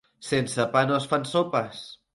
Sense pa no es fan sopes.